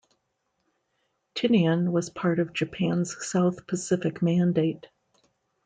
Tinian was part of Japan's South Pacific Mandate.